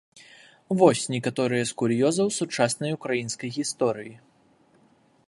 Вось некаторыя з кур'ёзаў сучаснай украінскай гісторыі.